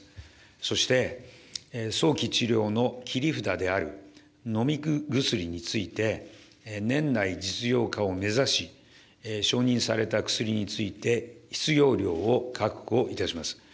そして、早期治療の切り札である飲み薬について、年内実用化を目指し、承認された薬について、必要量を確保いたします。